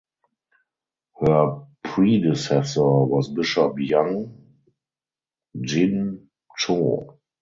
Her predecessor was Bishop Young Jin Cho.